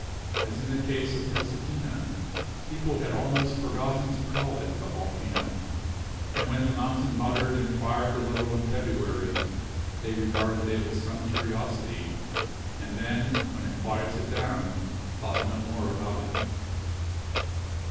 As in the case of Cosequina, people had almost forgotten to call it a volcano. And when the mountain muttered and fired a little in February, they regarded it with some curiosity, and then, when it quieted down, thought no more about it.